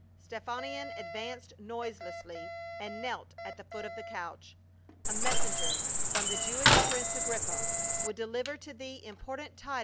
Stephanion advanced noiselessly and knelt at the foot of the couch. "A messenger from the Jewish prince, Agrippa, would deliver to thee important tid ings, divine Tiberius.